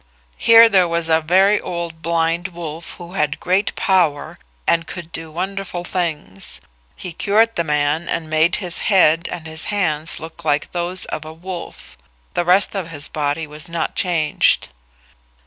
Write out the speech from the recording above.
Here there was a very old blind wolf who had great power and could do wonderful things. He cured the man and made his head and his hands look like those of a wolf. The rest of his body was not changed.